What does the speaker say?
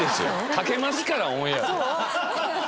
かけますからオンエアで。